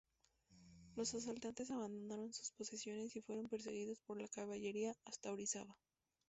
Los asaltantes abandonaron sus posiciones y fueron perseguidos por la caballería hasta Orizaba.